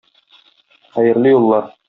Хәерле юллар!